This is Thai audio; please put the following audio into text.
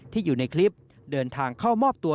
อยู่ในคลิปเดินทางเข้ามอบตัว